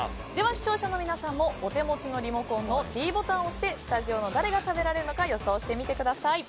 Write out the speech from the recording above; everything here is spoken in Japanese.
視聴者の皆さんもお手持ちのリモコンのｄボタンを押してスタジオの誰が食べられるか予想してみてください。